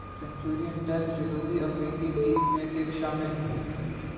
Centurion test جنوبی افریقی team میں کک شامل